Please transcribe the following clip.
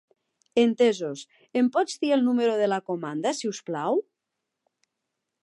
Entesos, em pots dir el número de la comanda, si us plau?